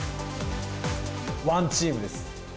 ワンチームです。